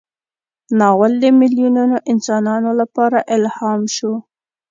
ناول د میلیونونو انسانانو لپاره الهام شو.